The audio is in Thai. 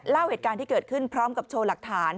เล่าเหตุการณ์ที่เกิดขึ้นพร้อมกับโชว์หลักฐาน